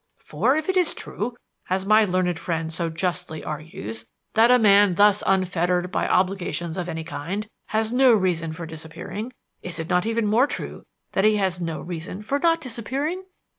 For if it is true, as my learned friend so justly argues, that a man thus unfettered by obligations of any kind has no reason for disappearing, is it not even more true that he has no reason for not disappearing?